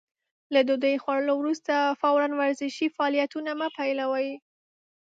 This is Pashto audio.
له ډوډۍ خوړلو وروسته فورً ورزشي فعالیتونه مه پيلوئ.